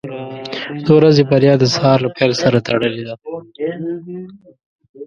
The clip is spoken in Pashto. • د ورځې بریا د سهار له پیل سره تړلې ده.